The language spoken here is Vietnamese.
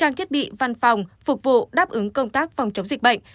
trang thiết bị văn phòng phục vụ đáp ứng công tác phòng chống dịch bệnh